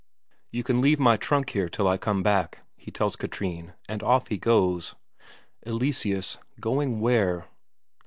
"You can leave my trunk here till I come back," he tells Katrine, and off he goes. Eleseus going where?